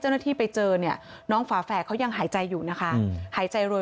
เจ้าหน้าที่ไปเจอเนี่ยน้องฝาแฝดเขายังหายใจอยู่นะคะหายใจรวย